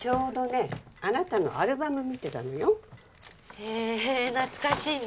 へえ懐かしいね。